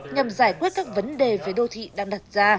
nhằm giải quyết các vấn đề về đô thị đang đặt ra